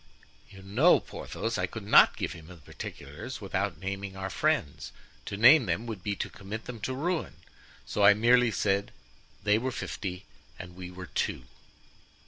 "You know, Porthos, I could not give him the particulars without naming our friends; to name them would be to commit them to ruin, so I merely said they were fifty and we were two.